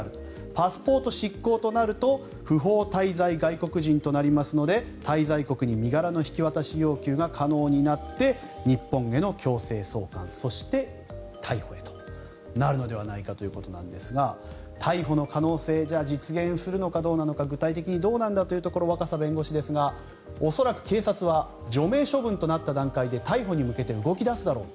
パスポート失効となると不法滞在外国人となりますので滞在国に身柄の引き渡し要求が可能になって日本への強制送還そして逮捕へとなるのではないかということですが逮捕の可能性じゃあ、実現するのかどうなのか具体的にどうなんだというところ若狭弁護士ですが恐らく警察は除名処分となった段階で逮捕に向けて動き出すだろう。